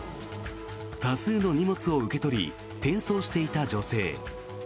多数の荷物を受け取り転送していた女性。